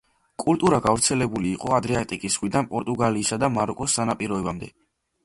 კულტურა გავრცელებული იყო ადრიატიკის ზღვიდან პორტუგალიისა და მაროკოს სანაპიროებამდე.